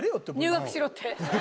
入学しろって？